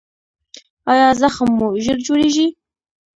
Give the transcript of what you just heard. ایا زخم مو ژر جوړیږي؟